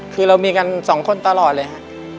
คือเรามีกันสองคนตลอดเลยค่ะ